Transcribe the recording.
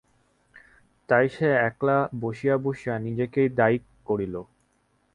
তাই সে একলা বসিয়া বসিয়া নিজেকেই দায়িক করিল।